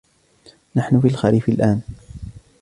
نحن في الخريف الآن.